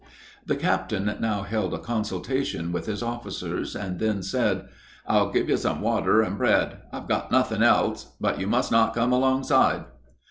The captain now held a consultation with his officers, and then said: "I'll give you some water and bread. I've got nothing else. But you must not come alongside."